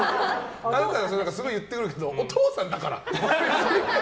あなたがすごい言ってるけどお父さんだから！